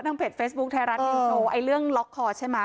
ทั้งเพจเฟซบุ๊คไทยรัฐนิโนไอ้เรื่องล็อคคอร์ดใช่ไหม